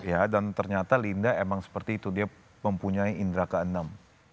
iya dan ternyata linda memang seperti itu dia mempunyai indra kenam